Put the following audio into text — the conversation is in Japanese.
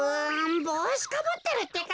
ぼうしかぶってるってか。